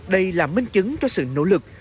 đây là minh chứng cho sự nỗ lực